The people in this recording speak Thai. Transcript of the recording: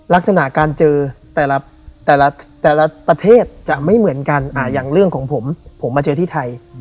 ลักษณะการเจอแต่ละประเทศจะไม่เหมือนกันอย่างเรื่องของผมผมมาเจอที่ไทย